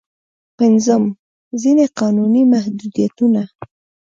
پنځم: ځينې قانوني محدودیتونه.